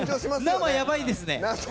生やばいっすね！